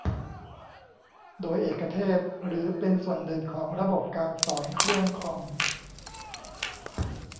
โดยเอกเทศ หรือเป็นส่วนหนึ่งของระบบการสอนเครื่องคอม